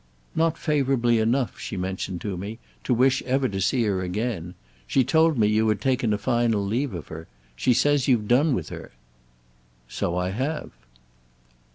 "Not favourably enough, she mentioned to me, to wish ever to see her again. She told me you had taken a final leave of her. She says you've done with her." "So I have."